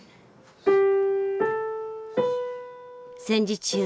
戦時中